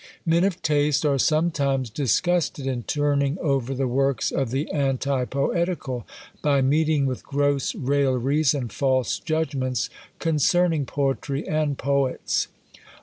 Men of taste are sometimes disgusted in turning over the works of the anti poetical, by meeting with gross railleries and false judgments concerning poetry and poets.